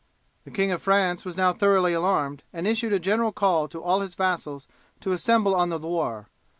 The King of France was now thoroughly alarmed, and issued a general call to all his vassals to assemble on the Loire.